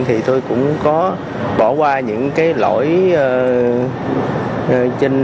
thì tôi cũng có bỏ qua những cái lỗi